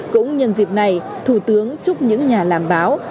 cũng nhân dịp này thủ tướng chúc những nhà làm báo